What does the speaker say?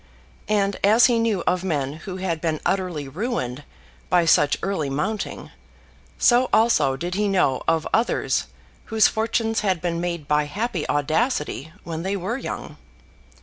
And as he knew of men who had been utterly ruined by such early mounting, so also did he know of others whose fortunes had been made by happy audacity when they were young.